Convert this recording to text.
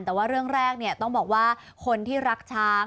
แต่ว่าเรื่องแรกเนี่ยต้องบอกว่าคนที่รักช้าง